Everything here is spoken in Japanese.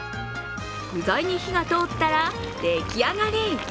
具材に火が通ったら出来上がり。